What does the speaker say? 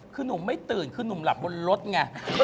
คือหนุ่มไม่ตื่นคือหนุ่มหลับบนรถไง